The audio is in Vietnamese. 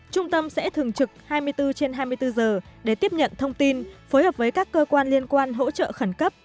trung tâm sẽ thường trực hai mươi bốn trên hai mươi bốn giờ để tiếp nhận thông tin phối hợp với các cơ quan liên quan hỗ trợ khẩn cấp